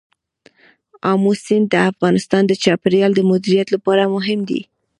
آمو سیند د افغانستان د چاپیریال د مدیریت لپاره مهم دي.